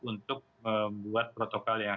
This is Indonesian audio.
untuk membuat protokol yang